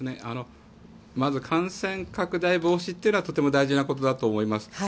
まず感染拡大防止というのはとても大事なことだと思います。